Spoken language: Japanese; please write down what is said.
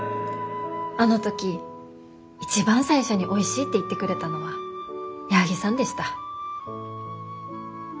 あの時一番最初においしいって言ってくれたのは矢作さんでした。